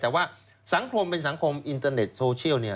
แต่ว่าสังคมเป็นสังคมอินเตอร์เน็ตโซเชียลเนี่ย